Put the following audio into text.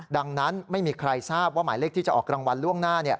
ดังนั้นไม่มีใครทราบว่าหมายเลขที่จะออกรางวัลล่วงหน้า